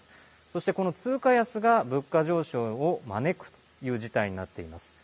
そして、この通貨安が物価上昇を招くという事態になっています。